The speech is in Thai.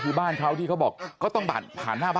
คุณสมมุติแล้วคุณอย่างไม่อยากเล่าหน่อยซะ